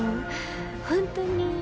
本当に。